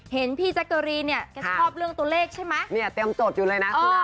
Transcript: เห็นพี่แจ๊กเกอรีนเนี่ยแกชอบเรื่องตัวเลขใช่ไหมเนี่ยเตรียมจดอยู่เลยนะ